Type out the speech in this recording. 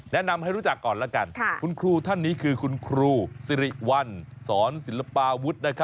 แนะนำให้รู้จักก่อนแล้วกันคุณครูท่านนี้คือคุณครูสิริวัลสอนศิลปาวุฒิ